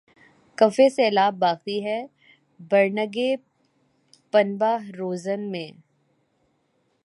کفِ سیلاب باقی ہے‘ برنگِ پنبہ‘ روزن میں